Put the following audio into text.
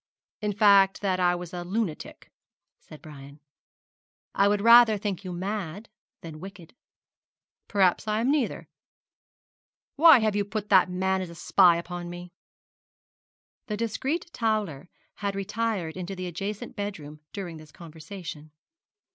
'In fact, that I was a lunatic,' said Brian. 'I would rather think you mad than wicked.' 'Perhaps I am neither. Why have you put that man as a spy upon me?' The discreet Towler had retired into the adjacent bedroom during this conversation.